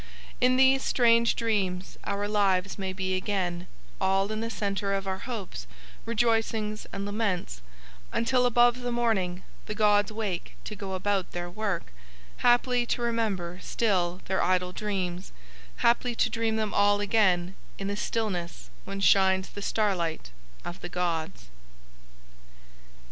In these strange dreams our lives may be again, all in the centre of our hopes, rejoicings and laments, until above the morning the gods wake to go about their work, haply to remember still Their idle dreams, haply to dream them all again in the stillness when shines the starlight of the gods."